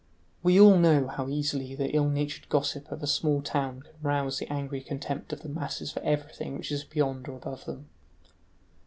We all know how easily the ill natured gossip of a small town can rouse the angry contempt of the masses for everything which is beyond or above them.